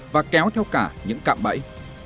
và kéo theo cả những cạm bẫy